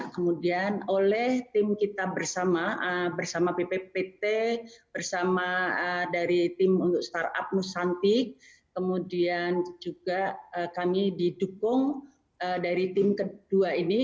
kemudian oleh tim kita bersama bersama bppt bersama dari tim untuk startup nusantik kemudian juga kami didukung dari tim kedua ini